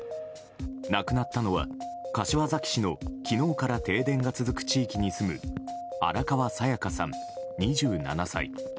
亡くなったのは、柏崎市の昨日から停電が続く地域に住む荒川紗夜嘉さん、２７歳。